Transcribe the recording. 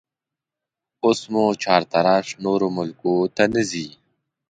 اوس مو چارتراش نورو ملکو ته نه ځي